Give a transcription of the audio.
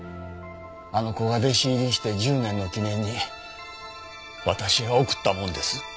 あの子が弟子入りして１０年の記念に私が贈ったもんです。